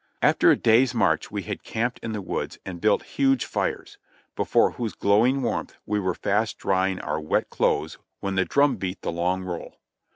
After a day's march we had camped in the woods and built huge fires, before whose glowing warmth we were fast drying our wet clothes when the drum beat the long roll.